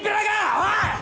おい！